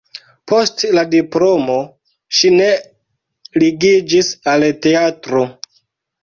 Post la diplomo ŝi ne ligiĝis al teatro.